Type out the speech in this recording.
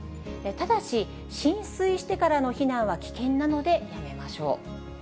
ただし、浸水してからの避難は危険なので、やめましょう。